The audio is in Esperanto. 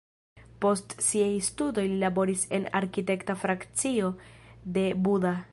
Post siaj studoj li laboris en arkitekta frakcio de Buda.